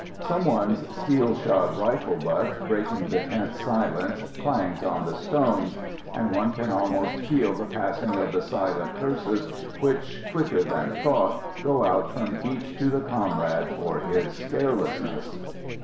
Some one's steel shod rifle butt, breaking the tense silence, clangs on the stones, and one can almost feel the passing of the silent curses which, quicker than thought, go out from each to the comrade for his carelessness.